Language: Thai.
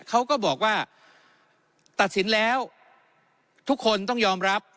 เขาก็บอกว่าตัดสินแล้วทุกคนต้องยอมรับ